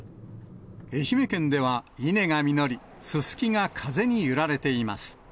愛媛県では稲が実り、ススキが風に揺られています。